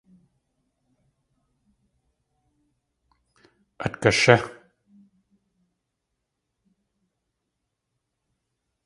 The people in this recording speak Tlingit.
At gashí!